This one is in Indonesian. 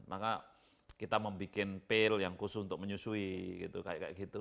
maka kita membuat pil yang khusus untuk menyusui gitu kayak kayak gitu